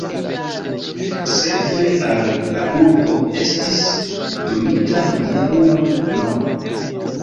Sekve al la urbo estis donita hodiaŭa nomo.